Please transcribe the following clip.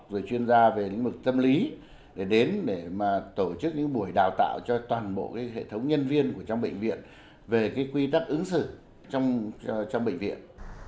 mời chuyên gia về lĩnh vực tâm lý đến để tổ chức những buổi đào tạo cho toàn bộ hệ thống nhân viên trong bệnh viện về quy đắc ứng xử trong bệnh viện